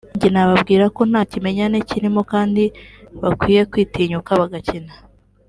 njye nababwira ko nta kimenyane kirimo ko kandi bakwiye gutinyuka bagakina